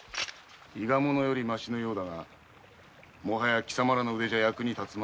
伊賀者よりましのようだがもはや貴様らの腕では役に立つまいよ。